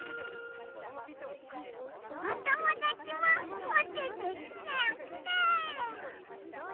おともだちもおててきれいきれい！